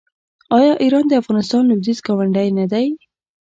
آیا ایران د افغانستان لویدیځ ګاونډی نه دی؟